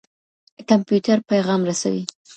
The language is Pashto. کمپيوټر پيغام رسوي.